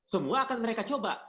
semua akan mereka coba